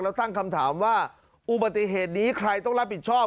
แล้วตั้งคำถามว่าอุบัติเหตุนี้ใครต้องรับผิดชอบ